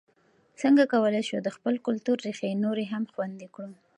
څنګه کولای سو د خپل کلتور ریښې نورې هم خوندي کړو؟